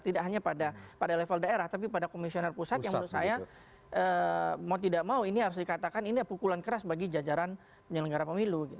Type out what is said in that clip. tidak hanya pada level daerah tapi pada komisioner pusat yang menurut saya mau tidak mau ini harus dikatakan ini pukulan keras bagi jajaran penyelenggara pemilu